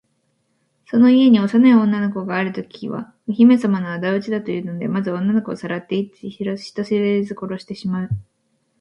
その家に幼い女の子があるときは、お姫さまのあだ討ちだというので、まず女の子をさらっていって、人知れず殺してしまう。